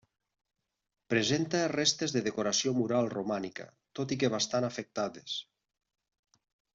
Presenta restes de decoració mural romànica, tot i que bastant afectades.